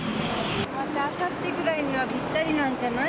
またあさってぐらいにはびったりなんじゃない？